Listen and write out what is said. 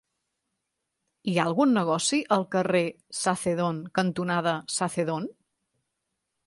Hi ha algun negoci al carrer Sacedón cantonada Sacedón?